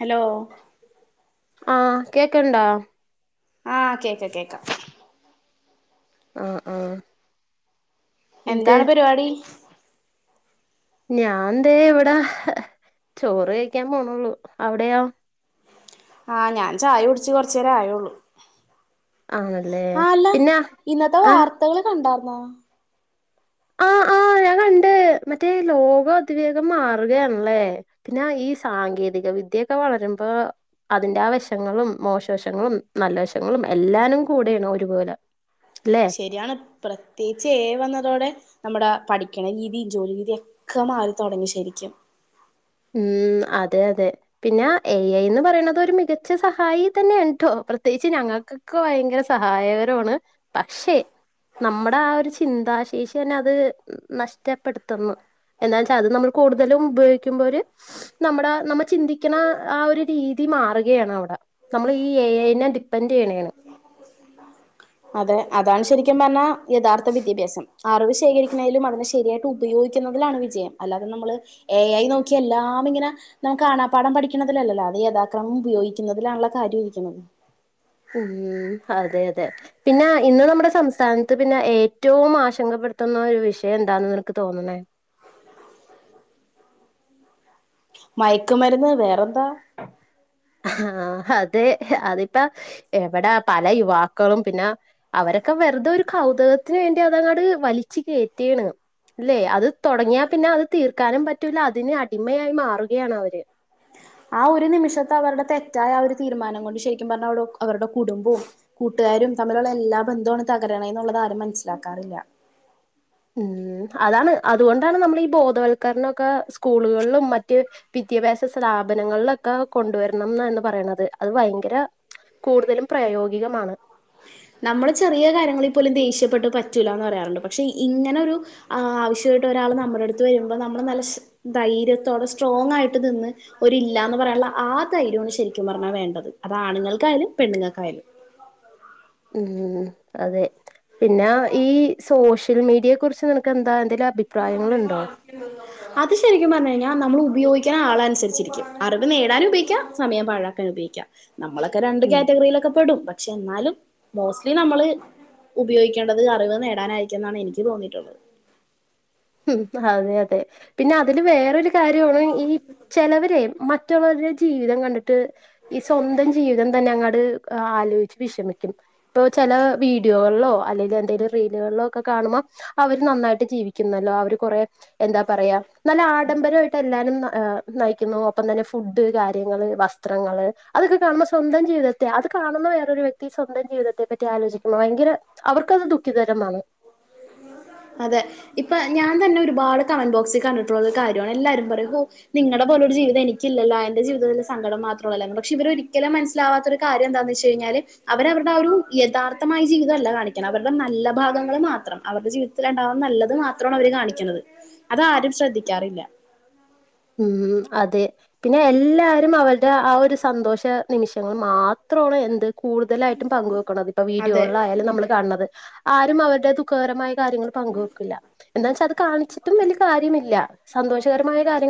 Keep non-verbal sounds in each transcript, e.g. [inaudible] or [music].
Hello ക്കണ്ടാ ആ കേക്ക കേക്ക അ ആ എന്താണ് പരിപാടി ഞാൻന്തെ ഇവിട ചോറ് കഴിക്കാൻ പോണോള്ളു അവിടെയോ ആ ഞാൻ ചായ കുടിച് കൊറചേരായുള്ളു ആണല്ലേ ആ അല്ല പിന്നെ ഇന്നത്തെ ആഹ് വാർത്തകള് കണ്ടാർന്നോ ആഹ് ആഹ് ഞാൻ കണ്ട് മറ്റേ ലോകം അതിവേഗം മാറുകയാണല്ലേ പിന്നെ ഈ സാങ്കേതിക വിദ്യക്കെ വളര ആ അതിന്റെ ആ വശങ്ങളും മോശവശങ്ങളും നല്ല വശങ്ങളും എല്ലാനും കൂടേണ് ഒരുപോല ശരിയാണ് പ്രത്യേകിച്ച് ഏ ഐ വന്നതോടെ നമ്മുടെ പഠിക്കണ രീതിയും ജോലി രീതിയക്ക മാറിതൊടങ്ങി ശരിക്കും ഉം അതെ അതെ പിന്നെ എ ഐന്ന് പറയ്ണത് ഒരു മികച്ച സഹായി തന്നെണ് ട്ടോ പ്രത്യേകിച്ച് ഞങ്ങൾക്കൊക്കെ ഭയങ്കര സഹായകരോണ് പക്ഷെ നമ്മുടെ ആ ഒരു ചിന്താശേഷിന്നെ അത് നഷ്ടപ്പെടുത്തുന്നു എന്നാച്ചാ അത് നമ്മൾ കൂടുതലും ഉപയോഗിക്കുമ്പോര് നമ്മുടെ നമ്മ ചിന്തിക്കുന്ന ആ ഒരു രീ തി മാറുകയാണ് അവിടെ നമ്മൾ ഈ എ ഐനെ ഡിപ്പെൻഡ് ചെയ്ന്നെന്ന് അതെ അതാണ് ശരിക്കും പറഞ്ഞാൽ യഥാർത്ഥ വിദ്യാഭ്യാംറിവ് ശേഖരിക്കുന്നലും അതിന ശരിയായിട്ട് ഉപയോഗിക്ക ുന്നതിലാണ് വിജയം അല്ലാതെ നമ്മള് എ ആയി നോക്കി എല്ലാം ഇങ്ങനെ നമുക്ക് പാഠം പഠിക്കുന്നതിലല്ലല്ല അത യഥാക്രമം ഉപയോഗിക്കുന്നതിലാണുള്ള കാര്യം ഇരിക്കുന്നത് ഉം അതെ അതെ പിന്നെ ഇന്ന് നമ്മുടെ സംസ്ഥാനത്ത് പിന്നെ ഏറ്റവും ആശങ്കപ്പെ പ്പെടുത്തുന്ന ഒരു വിഷയം എന്താന്ന് നിനക്ക് തോന്നണേ [inaudible] മയക്കുമരുന്ന് വേറെന്താ ആ അതെ അതിപ്പ എവിടെ പല യുവാക്കളും പിന്നെ അവരെ അക്കെ വെറുതെ ഒരു കൗതുകകത്തിന് വേണ്ടി അതങ്ങട് വലിച്ചു കേറ്റിണ് അല്ലെ അത് തുടങ്ങിയാൽ പിന്നെ അത് തീർക്കാനും പറ്റൂല അതിന് അടിമയായി മാറുകയാണ് അവര് ആ ഒരു നിമിഷത്തെ അവരുടെ തെറ്റായ ആ ഒരു തീരുമാനം കൊണ്ട് ശരിക്കും പറഞ്ഞാൽടെ അവരുടെ കുടുംബവും കൂട്ട രും തമ്മിലുള്ള എല്ലാ ബന്ധമാണ് തകരണ എന്നുള്ളത് ആരും മനസ്സിലാക്കാറില്ല ഉം അതാണ് അതുകൊണ്ടാണ് നമ്മൾ ഈ ബോധവൽക്കരണൊക്കെ സ്കൂളുകളിലും മറ്റ് വി വിദ്യാഭ്യാസ സ്ഥാപനങ്ങളിലൊക്കെ കൊണ്ടുവരണംന്ന് പറയണുന്നത് അത് ഭയങ്കര കൂടുതലും പ്രായോഗികമാണ് നമ്മള് ചെറിയ കാര്യങ്ങളിൽ പോലും ദേഷ്യപ്പെട്ട് പറ്റൂല എന്ന് പറയാറുണ്ട് പക്ഷെ ഇങ്ങനൊ ഒരു ആവശ്യ നമ്മടെ അടുത്ത് വരുമ്പോ നമ്മള് നല്ല ദൈര്യത്തോടെ സ്ട്രോങ്ങാആയിട്ട് നിന്ന് ഒരു ഇല്ല പറ ള ആ തൈര്യാണ് ശരിക്കും പറഞ്ഞാ വേണ്ടത് അത് ആണുങ്ങൾക്കായാലും പെണ്ണുങ്ങൾക്കായാലും ഉം അതെ പിന്നെ ഈ സോഷ്യൽ മീഡിയയെ കുറിച്ച് നിനക്ക് എന്താ എന്തെലും അഭിപ്രായങ്ങളുണ്ടോ [inaudible] അത് ശരിക്കും പറഞ്ഞു കഴിഞ്ഞാൽ നമ്മള് ഉ ഉപയോഗിക്കുന്ന ആള അനുസരിച്ചി രിക്കും അറിവ് നേടാനും ഉപയോഗിക്കാം സമയം പാഴാക്കാൻ ഉപയോഗിക്കാം നമ്മളൊക്കെ രണ്ട് ഉം കാറ്റഗറിയിലൊക്കെ പെടും പക്ഷെ എന്നാലും മോസ്ലി നമ്മള് ഉപയോഗിക്കേണ്ടത് അറിവ് നേടാനായിരികുന്നാണ് എനിക്ക് തോന്നിയിട്ടുള്ളത് ഉം അതെ അതെ പിന്നെ അതില് വേറൊരു കാര്യമാണ് ഈ ചിലവരെ മ മറ്റുള്ളവരുടെ ജീവിതം കണ്ടിട്ട് ഈ സ്വന്തം ജീവിതം തന്നെ അങ്ങോട് ആലോചിച്ച് വിഷമിക്കും ഇപ്പൊ ചില വീഡിയോകളിലോ അല്ലെങ്കിൽ എന്തെങ്കലും റീലുകളിലോ ഒക്കെ കാണുമ്പോ അവര് നന്നായിട്ട് ജീവി ല്ലോ അവര് കൊറെ എന്താ പറയാ നല്ല ആഡംബരമായിട്ട് എല്ലാരും ഹ് നയിക്കുന്നു അപ്പം തന്നെ ഫുഡ് കാര്യങ്ങൾ വസ്ത്രങ്ങൾ അതൊക്കെ കാണുമ്പോ സ്വന്തം ജീവിതത്തെ അ കാണുന്ന വേറൊരു വ്യക്തി സ്വന്തം ജീവിതത്തെ പറ്റി ആലോചിക്കുമ ഭയങ്കര അവർക്കത് ദുഃഖിതരമാണ് അതെ ഇപ്പൊ ഞാൻ തന്നെ ഒരുപാട് കമന്റ് ബോക്സിൽ കണ്ടിട്ടുള്ള കാര്യമാണ് എല്ലാരും പറയും നിങ്ങളുടെ പോലൊ ഒരു ജീവിതം എനിക്കില്ലലോ എന്റെ ജീവിതത്തി സങ്കടം മാത്രല്ല പക്ഷെ വരൊരിക്കലും മനസ്സിലാവാത്തൊ ന്താന്ന് വെച്ച്കഴിഞ്ഞാല് അവര അവരുടെ ഒരു യഥാർത്ഥമായ ജീവിതം അല്ല കാണിക്ക്ണെ അവരുടെ നല്ല ഭാഗങ്ങൾ മാത്രം അവരുടെ ജീവി ത്തിലണ്ടാവുന്ന നല്ലത് മാത്രമാണ് അവര് കാണിക്കുന്നത് അതാരും ശ്രദ്ധിക്കാറില്ല ഉം അതെ പിന്നെ എല്ലാരും അവരുടെ ആ ഒരു സന്തോഷ നിമിഷങ്ങൾ മാ അത്ര എന്ത് കൂടുതലായിട്ടും പങ്കുവെ ഇപ്പ അതെ. വീഡിയോള്ള ആയാലും നമ്മള് കാണത് ആരും അവരുടെ ദുഖകരമായി കാര്യങ്ങൾ പങ്ക വെക്കില്ല എന്താെച്ചൽ അത് കാണിച്ചിട്ടും വലിയ കാര്യമില്ല സന്തോഷകര ക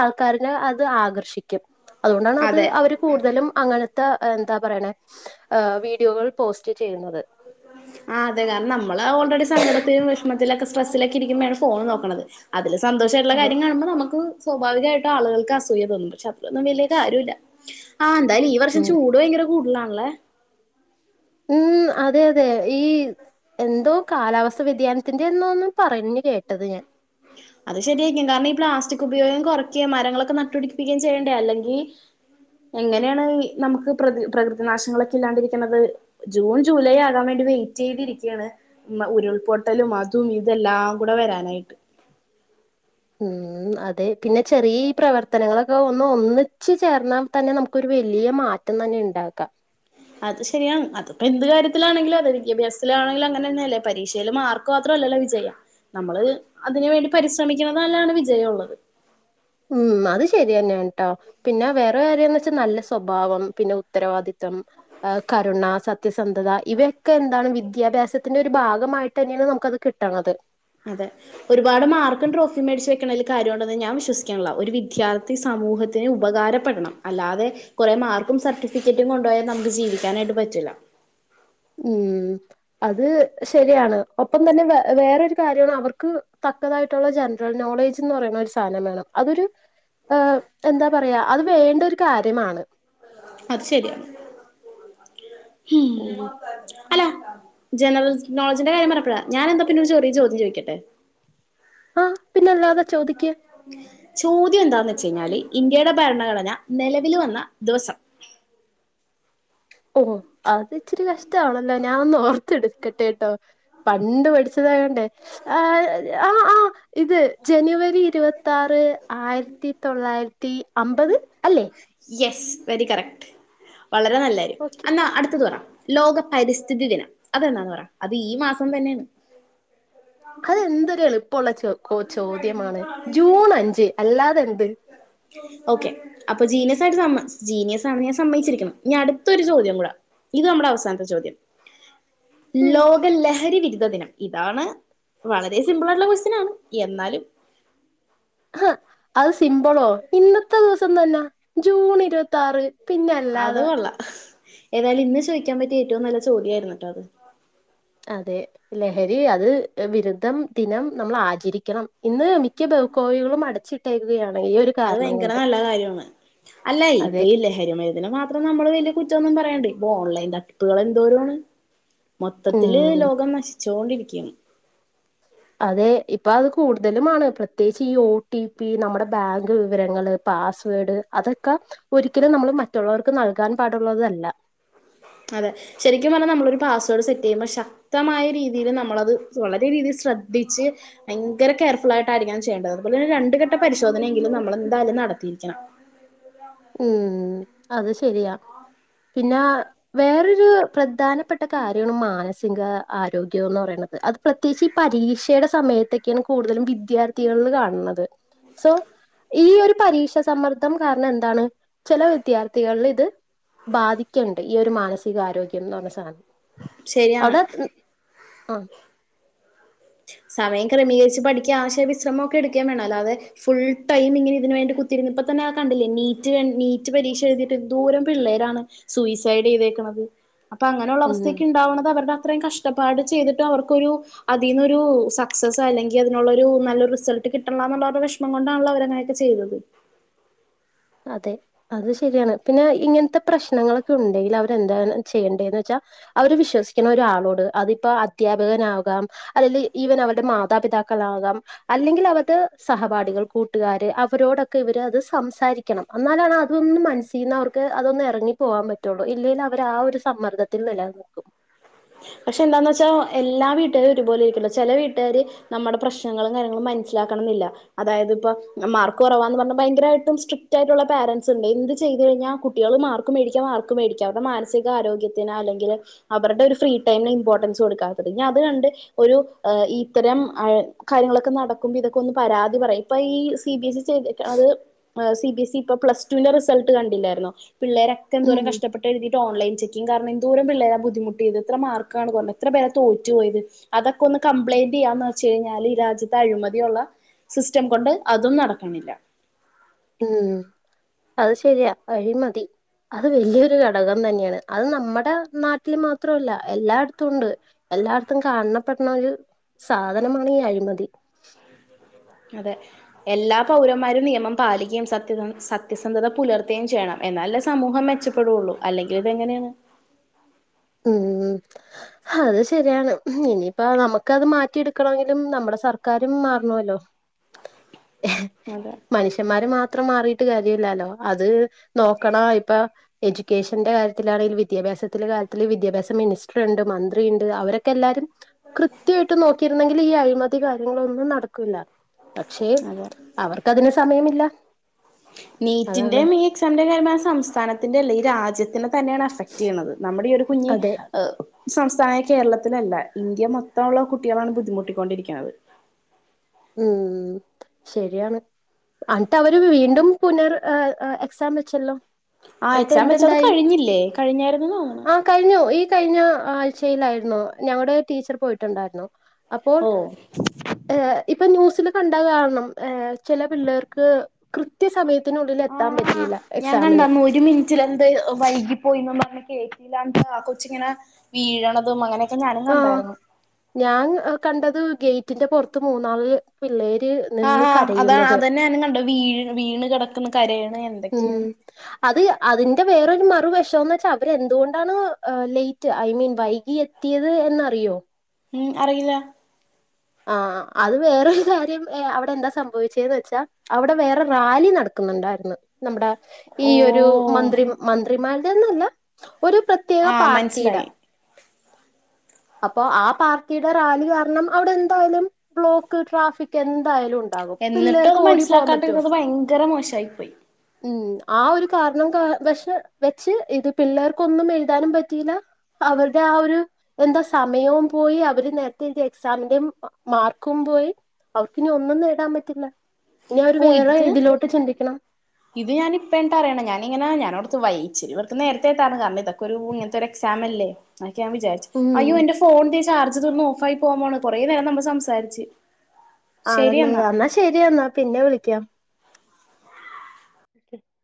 ആൾക്കാരെ അത് ആകർഷിക്കും അതുകൊണ്ടാണത് അതെ. അവര് കൂട്തലും അങ്ങനത്തെ എന്താ പറയണ വീഡിയോകൾ പോസ്റ്റ് ചെയ്യുന്നത് ആ അതെ കാരണം നമ്മള് ഓൾറെഡി സങ്കടത്തിലും വിഷമത്തിലൊക്കെ സ്ട്രസ്സിലൊക്കെ ഇരിക്കുമ്പഴാണ് ഫോണ് നോക്കുന്നത് അതില് സന്തോഷമായിട്ടുള്ള അതെ. കാര്യ കാണു മ്പോൾ നമുക്ക് സ്വാഭാവികമായിട്ടും ആളുകൾക്ക് അസൂയ തോന്നും ക്ഷെ അത്രൊന്നും വലിയ കാര്യല്ല ആ എതായാലും ഈ വർഷം ഉം. ചൂട് ഭയങ്കര കൂടുതലാണല്ലേ ഉം അതെ അതെ ഈ എന്തോ കാലാവസ്ഥ വ്യതിയാനത്തിന്റെ എന്നന്ന് പറഞ്ഞഞ് കേട്ടത് ഞാൻ ഉ [unintelligible] അത് ശരിയായിരിക്കും കാരണം ഈ പ്ലാസ്റ്റിക് ഉപയോഗം കുറക്കയും മരങ്ങളൊക്കെ നട്ടു പിടിപ്പിക്കുകയും ചെയ്യണ്ടേ അല്ലെങ്കിൽ എങ്ങനെയാണ് നമുക്ക് പ്ര പ്രകൃതി നാശങ്ങളൊക്കെ ഇല്ലാണ്ടിരിക്കുന്നത് ജൂൺ ജൂലൈ ആകാൻ വേണ്ടി വെയിറ്റ് ചെയ്തിരിക്കുകയാണ് ഉരുൾപൊട്ടലും അതും ഇതെല്ലാം കൂടെ വരാനായിട്ട് ഉം ഉം അതെ പിന്നെ ചെറിയ ഈ പ്രവർത്തനങ്ങളൊക്കെ ഒന്ന് ഒന്നിച്ച് ചേർന്നാൽ തന്നെ നമുക്കൊരു വലിയ മാറ്റ റ്റം തന്നെ ഇണ്ടാക്കാം അത് ശരിയാണ് അതിപ്പോ എന്ത് കാര്യത്തിലാണെങ്കിലും അതെ വിദ്യാഭ്യാസത്തിലാണെങ്കിലും അങ്ങന തന്നെയ അല്ലേ പരീക്ഷയിയില് മാർക്ക് മാത്രം ല്ലല്ലോ വിജയം നമ്മള് അതിന് വേണ്ടി പരിശ്രമിക്കണതല്ലാണ് വിജയ ഉള്ളത്. ഉം അത് ശരി തന്നെയാ കേട്ടോ പിന്നെ വേറെ കാര്യന്ന് വെച്ചാ നല്ല സ്വഭാവം പിന്നെ ഉത്തരവാദിത് ത്വം കരുണ സത് സത്യസന്ധത ഇവയൊക്കെ എന്താണ് വിദ്യാഭ്യാസത്തിന്റെ ഒരു ഭാഗമായിട്ട് തന്നെയാണ് നമ്മുക്കത് കിട്ടണത്. കാര്യണ്ടെന്ന് ഞാൻ വിശ്വസിക്കില്ല ഒരു വിദ്യാർത്ഥി സമൂഹത്തിന് ഉപകാരപ്പെടണം അല്ലാതെ കുറെ മാർക്കും സർട്ടിഫിക്കറ്റും കൊണ്ടുപയാൽ നമ്മുക്ക് ജീവിക്കാനായിട്ട് പറ്റൂല്ല ഉം അത് ശരിയാണ് ഒപ്പം തന്നെ വ വേറൊരു കാര്യമാണ് അവർക്ക് പ പക്കതായിട്ടുള്ള ജനറൽ നോളേജ് എന്ന് പറയുന്ന ഒരു സാധനം വേണം അതൊരു ഏ എന്താ പറയാ അത് വേണ്ട ഒരു കാര്യമാണ്. അത് ശരിയാണ് ഹ്മ് ഉം അല്ല ജനറൽ നോളജിന്റെ കാര്യം പറഞ്ഞപ്പോളാ ഞാൻ എന്താ പിന്നെ ചെറിയ ചോദ്യം ചോദിക്കട്ടെ? ആഹ് പിന്നെ അല്ലാതെ ചോദ്യം എന്താന്ന് വെച്ച കഴിഞ്ഞാല് ഇന്ത്യയുടെ ഭരണഘടന നിലവിൽ വന്ന ദിവസം? ഓ അത് ഇച്ചിരി കഷ്ടമാണല്ലോ ഞാനൊന്ന് ഓർത്ത് എടുക്കട്ടെട്ടോ പണ്ട് പഠിച്ചതാകണ്ടേ ആ ആ ആ ഇത് ജനുവരി ഇരുപത്തി ആറ് ആയിരത്തി തൊള്ളായിരത്തി അമ്പത്? അല്ലേ യെസ് വെരി കറക്റ്റ് വളരെ നല്ലര്യം ഓക്കെ എന്നാ അടുത്തത് പറ ലോക പരിസ്ഥിതി ദിനം? അതെന്താന്ന് പറ അത് ഈ മാസം തന്നെയാണ് അതെന്തൊരു എളുപ്പം ഇപ്പോള്ള ചോ ചോദ്യമാണ് ജൂൺ അഞ്ച് അല്ലാതെന്ത്. ഓക്കെ അപ്പൊ ജീനിയസ ആയി സ ജീനിയസ് ആ ഞാൻ സമ്മയിച്ചിരിക്കണം അടുത്തൊരു ചോദ്യം കൂടെ ഇത് നമ്മുടെ അവസാനത്തെ ചോദ്യം ഉം, ലോക ലഹരി വിരുദ്ധ ദിനം? ഇതാണ് വളരെ സിമ്പിൾ ആയിട്ടുള്ള ക്വസ്റ്റ്യനാണ് എന്നാലും ഹഹ അത് സിമ്പിളോ ഇന്നത്തെ ദിവസം തന്നെ ജൂൺ ഇരുപത്തി ആറ് പിന്നെ അത് അല്ലാതെ കൊള്ള ഏതായാലും ഇന്ന് ചോദിക്കാൻ പറ്റിയ ഏറ്റവും നല്ല ചോതിയായിരുന്നു ട്ടാ അത് ബിരുദ്ധം ദിനം നമ്മൾ ആചരിക്കണം ഇന്ന് മിക്ക ബഹുക്കോവികളും അടച്ചിട്ടേക്കുകയാണ് ഈ ഒരു അത് കാരണം ഭയങ്കര കൊണ്ട് നല്ല കാര്യമാണ് അല്ല ഇപ്പ അതെ ഇ ലഹരിമയത്തിന് മാത്രം നമ്മള് വലിയ കുറ്റംന്നും പറയണ്ട് ഇ ഓൺലൈൻ തട്ടിപ്പുകൾ എന്തോരമാണ് മൊത്തത്തില് ഉം ലോകം നശിച്ചോണ്ടിരികണ് അതെ ഇപ്പം അത് കൂടുതലുംമാണ് പ്രത്യേകിച്ച് ഈ ഓ ടി പി നമ്മുടെ ബാങ്ക് വിവരങ്ങൾ, പാസ്‌വേഡ് അതൊക്കെ ഒരിക്കലും നമ്മള് മറ്റുള്ളവർക്ക് നൽകാൻ പാടുള്ളതല്ല. അതെ ശരിക്കും പറഞ്ഞാൽ നമ്മളൊരു പാസ്വേർഡ് സെറ്റ് ചെയ്യുമ്പോ ശക്തമായ രീതിയിൽ നമ്മളത് വളരെ രീതിൽ ശ്രദ്ധിച്ച് ഭയങ്കര കെയർഫുൾ ആയിട്ടായിരിക്ക ഞാ ചെയ്യേണ്ടത്തുപോലെെ രണ്ട് ഘട്ട പരിശോധനയെങ്കിലും നമ്മൾ എന്തായാലും നടത്തിയിരിക്കണം. ഉം അത് ശരിയാ പിന്നെ വേറൊരു പ്രധാനം പെട്ട കാര്യ മാന ആരോഗ്യം എന്ന് പറയുന്നത് അത് പ്രത്യേകിച്ച് ഈ പരീക്ഷയുടെ സമയത്തൊക്കെയാണ് കൂടുതലും വിദ്യാർത്ഥികൾ കാണ്ണത് സോ ഈ ഒരു പരീക്ഷ സമ്മർദ്ദം കാരണം എന്താണ് ചില വിദ്യാർത്ഥികളിൽ ഇത് ബാധിക്കണ്ട് ഈ ഒരു മാനസികാരോഗ്യംന്ന് പറഞ്ഞ സാധനം ശരിയാണ് അവിടെ ആ ഹ് [inaudible] സമയം ക്രമീകരിച്ചു പഠിക്ക ആശയ വിശ്രമൊക്കെ എടുക്കേം വേണം അല്ലാതെ ഫുൾടൈം ഇങ്ങനെ ഇതിനേണ്ടി കുത്തിയിരുന്ന് ഇപ്പത ങന കണ്ടില്ലേ നീറ്റ് നീറ്റ് പരീക്ഷ എഴുതിട്ട് ന്തോരം പിള്ളേരാണ് സൂയിസൈഡ് ചെയ്തേക്കണന്നത് അപ്പൊ അങ്ങനെയുള്ള ഉം അവസ്ഥയൊക്കെ ഉണ്ടാവുന്നത് അവരുടെ അത്രയും കഷ്ടപ്പാട് ചെയ്തിട്ടും അവർക്കൊരു അ അതിന്നൊരു സക്സ് അല്ലെങ്കിൽ, അതിനുള്ളൊരു നല്ലരു റിസൾട്ട് കിട്ടണല്ല്യ ന്നുള്ളരു വിഷമം കൊണ്ടാണല്ലോ അവരങ്ങനോക്കെ ചെയതത് മ് അതെ അത് ശരിയാണ് പിന്നെ ഇങ്ങൻത്തെ പ്രശ്നങ്ങളൊക്കെ ഉണ്ടെങ്കി അവരെന്താണ് ചെയ്യേണ്ടേന്ന് വെച്ചാ അവര് വിശ്വസിക്കുന്ന ഒരാളോട് അതിപ്പോ അധ്യാപകനാകാം അല്ലെൽ ഈവൻ അവരുടെ മാതാപിതാ [unintelligible] അല്ലെങ്കിൽ അവരുടെ സഹപാഠികൾ കൂട്ടുകാര് അവരോടൊക്കെ ഇവര് അത് സംസാരി ക്കണം ന്നാലാണ് അതൊന്നും മനസ്സിന്ന് അവർക്ക് അതൊന്നു ഇറങ്ങിപ്പോകാൻ പറ്റുള്ളൂ ഇല്ലെൽ അവർ ആ ഒരു സമ്മർദ്ദത്തിൽ എല്ലാ നിക്കും [inaudible] പക്ഷെ എന്താന്ന് വെച്ചാ എല്ലാ വീട്ടുകാരും ഒരുപോലെരിക്കില്ല ചില വീട്ടുകാര് നമ്മുടെ പ്രശ്നങ്ങളും കാര്യങ്ങളും മനസ്സിലാ യാക്കണംന്നില്ല അതായത് ഇപ്പം മാർക്ക് കുറവാന്ന് പറഞ്ഞ് ഭയങ്കരമായിട്ടും സ്ട്രിക്ട് ആയിട്ടുള്ള പാരൻറ്സ് ഉണ്ട് എന്ത് ചെയ് കഴിഞ്ഞൽ കുട്ടികൾ മാർക്ക് മേടിക്കാ മാർക്ക് മേടിക്കാ അവരുടെ മാനസിക ആരോഗ്യത്തിന് അല്ലെങ്കിൽ അവരുടെ ഒരു ഫ്രീ [unintelligible] ഇംപോർട്ടൻസ് കൊടുക്കാത്തത് ഇനി അത് കണ്ട് ഒരു ഇത്തരം അയ് കാര്യങ്ങളൊക്കെ നടക്കുമ്പിത് പരാതി പറ ഈ സി ബിസ് ചെയ്തിക്കണത് സി ബി എസ് ഇ പ്ലസ്റ്റുവിന്റെ റിസൾട്ട് കണ്ടി ണ്ടിലായിരുന്നോ പിള്ളേരൊക്കെ എന്തോരം ഉം കഷ്ടപ്പെട്ട് എഴുതിയിട്ട് ഓൺലൈൻ ചെക്കിംഗ് കാരണം എന്തോരം പിള്ളേരാ ബുധിമുട്ടിയത് എത്ര മാർ ക്കാണ് കൊറ്ഞ്ഞെ എത്ര പേരെ തോറ്റു പോയത് അതൊക്കെ ഒന്ന് കംപ്ലയിന്റ് ചെയ്യാന്ന് വെച്ച്കഴിഞ്ഞാൽ ഈ രാജ്യത്ത് അഴിമതിയുള്ള സിസ്റ്റം കൊണ്ട് അതും നടക്ക്ണില്ല ഉം അത് ശരിയാ അഴി മതി അത് വലിയൊരു ഘടകം തന്നെയാണ് അത് നമ്മുടെ നാട്ടിൽ മാത്രവല്ല എല്ലായിടത്തും ഉണ്ട് എല്ലാർത്തും കാണപ്പെടണ ഒരു സാധനമാണ് ഈ അഴിമതി അതെ എല്ലാ പൗരന്മാരും നിയമം പാലിക്കുകയും സത്യസ സത്യസന്ധത പുലർത്തുകയും ചെയ്യണം എന്നാലല്ലെ സമൂഹം മെച്ചപ്പെടുവൊള്ളൂ അല്ലെങ്കിൽ ഇതെങ്ങനെയാണ് ഉം അത് ശരിയാണ് ഇനിയിപ്പം നമ്മക്കത് മാറ്റിയെടുക്കണെങ്കിലും നമ്മുടെ സർക്കാ രും മാറണല്ലോ അതെ മനുഷ്യന്മാര് മാത്രം മാറി യിട്ട് കാര്യയില്ലാല്ലോ അത് നോക്കണ ഇപ്പ എഡ്യൂക്കേഷന്റെ കാര്യത്തിലാണെലും വിദ്യാഭ്യാസത്തിലൾൻ്റെ കാര്യത്തി വിദ്യാഭ്യാസ മിനിസ്റ്റർ ഉണ്ട് മന്ത്രി ഉണ്ട് അവരൊക്കെല്ലരും കൃത്യമായിട്ട് നോക്കിയിരുന്നെങ്കിൽ ഈ അഴി മതി കാര്യങ്ങളൊന്നും നടക്കില്ല പക്ഷെ അതെ അവർക്കതിന് സമയമില്ല അതാണ് നീറ്റിന്റെം ഈ എക്സാമിന്റെ കാര്യപഞ്ഞ സംസ്ഥാനത്തിന്റെ അല്ല ഈ രാജ്യത്ത് തന്നെയാണ് അഫെക്ട് ചെയ്യുന്നത് നമ്മുടെ ഈ ഒരു കുഞ്ഞി അതെ സംസ്ഥാനമായ കേരളത്തിലല്ല ഇന്ത്യ മൊത്തമുള്ള കുട്ടികളാണ് ബുദ്ധിമുട്ടിക്കൊണ്ടിരിക്ക്ണത് ഉം ശരിയാണ് ന്നട്ട് അവര് വീണ്ടും അ അ പുനർ എക്സാം വെച്ചല്ലോ ആ ന്നിട്ട് എക്സാം വെച്ചത് എന്തുണ്ടായി കഴിഞ്ഞില്ലേ കഴിഞ്ഞായിരുന്നു തോന്നണ് ആ കഴിഞ്ഞു ഈ കഴിഞ്ഞ ആഴ്ചയിലായിരുന്നു ഞങ്ങടെ ടീച്ചർ പോയിട്ടുണ്ടായിരുന്നു. അപ്പോൾ ഓ ഈ ഇപ്പൊ ന്യൂസിൽ കണ്ട കാരണം അ ചില പിള്ളേർക്ക് കൃത്യ സമയ ആഹ ഞാൻ കണ്ടന്നു ഒരു മിനിറ്റിലന്ത് അ വൈകിപോയി ന്നൊന്നം പർഞ് കേ ല്ലാണ്ട് ആ കൊച്ചിങ്ങനെ വീഴണതും അങ്ങനെ ആ ഞാൻ അ കണ്ടത് ഗേറ്റിന്റെ പുറത്ത് മൂന്നാള് പിള്ളേ ആ ഹാ അതാ അതന്നെ ഞാനും കണ്ട വീണ വീണ് കിടക്കുന്ന കരയാ ഉം... ത് അതിന്റെ വേറൊരു മറുവഷം ന്ന് വെച്ചാൽ അവര്ന്തുകൊണ്ടാണ് അ ലേറ്റ് ഐ മീൻ വൈകി ത്തിയത് എന്നറിയോ? ഉം അറിയില്ല. ആ അത് വേറൊരു കാര്യം അവിടെ എന്താ സംഭവിച്ചത് ന്ന് വെച്ചാ അവിടെ വേറെ റാലി നടക്കുന്നു. ഒണ്ടാരുന്നു നമ്മുടെ ഈ ഓ ഒരു മന്ത്രി മന്ത്രിമാരുടെന്നല്ല- ഒരു പ്രത്യേക ആഹ് പാർട്ടിയുടെ മനസ്സിലായി അപ്പൊ ആ പാർട്ടിയുടെ റാലി കാരണം അവിടെ എന്തായാലും ബ്ലോക്ക് ട്രാഫിക് എന്തായാലും ഉണ്ട്. എന്നിട്ടും അത് മനസ്സിലാക്കാണ്ടിരുന്നത് ഭയങ്കര മോശമായി പോയി. ഉം ആ ഒരു കാരണം പക്ഷെ വെച്ച് ഇത് പിള്ളേർക്കൊന്നും എഴുതാനും പറ്റിയില്ല. അവരുടെ ആ ഒരു എന്താ സമയവും പോയി അവര് നേരത്തെ എക്സാമിന്റെയും മാർക്കും- പോയി അവർക്ക് ഇനി ഒന്നും നേടാൻ പറ്റില്ല ഇനി അവര് ഓ വേറെ ഇത് ഇതിലോട്ട് ചിന്തിക്കണം. ഇത് ഞാനിപ്പ ട്ടോ അറിയണെ ഞാനിങ്ങനെ ഞാന അടുത്ത് വച്ച ഇവിടു നേരത്തെത്താണ് കാരണം ഇതൊക്കെ ഇങ്ങത്തെരു എക്സാാം- ല്ലെ ആ ഞാൻ വിചാരിച്ചു അയ്യോ ഉം. എന്റെ ഫോൺ ചാർജ് തീർന്ന് ഓഫായി പോകാന് കുറെേ നേരം നമ്മള് സംസാരിച്ച്- ആണല്ലേ എന്നാ ശരിയന്നാ പിന്നെ വിളിക്കാം [unintelligible]